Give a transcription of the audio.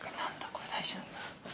これ大事なんだ。